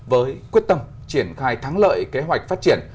với quyết tâm triển khai thắng lợi kế hoạch phát triển